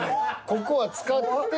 ここは使って。